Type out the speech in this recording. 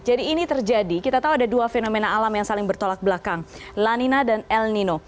jadi ini terjadi kita tahu ada dua fenomena alam yang saling bertolak belakang lanina dan el nino